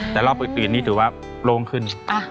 แต่รอบอีกอีกนี่ถือว่าโล่งขึ้น